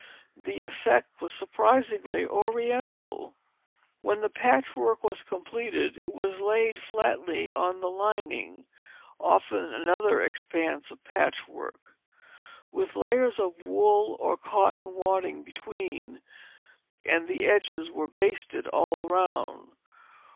The effect was surprisingly Oriental. When the patchwork was completed, it was laid flatly on the lining (often another expanse of patchwork), with layers of wool or cotton wadding between, and the edges were basted all around.